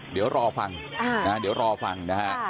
เดี๋ยวรอฟังเดี๋ยวรอฟังนะฮะ